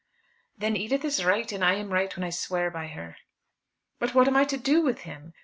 "Then Edith is right; and I am right when I swear by her." "But what am I to do with him?